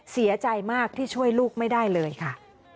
เสียใจมากที่ช่วยลูกไม่ได้เลยค่ะ